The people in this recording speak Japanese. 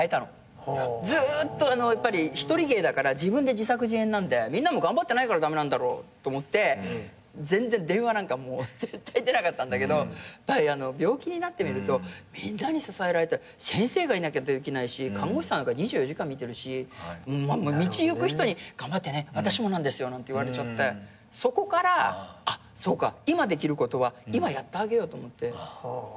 ずっと一人芸だから自分で自作自演なんでみんなも頑張ってないから駄目なんだろうと思って全然電話なんかもう絶対出なかったんだけど病気になってみるとみんなに支えられて先生がいなきゃできないし看護師さんが２４時間見てるし道行く人に「頑張ってね私もなんですよ」なんて言われちゃってそこからそうか今できることは今やってあげようと思って。